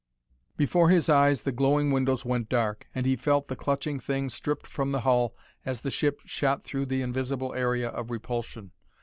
Before his eyes the glowing windows went dark, and he felt the clutching thing stripped from the hull as the ship shot through the invisible area of repulsion.